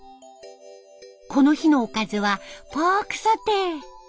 この日のおかずはポークソテー。